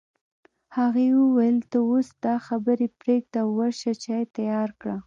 هغې وویل ته اوس دا خبرې پرېږده او ورشه چای تيار کړه